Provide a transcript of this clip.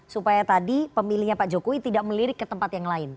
supaya tadi pemilihnya pak jokowi tidak melirik ke tempat yang lain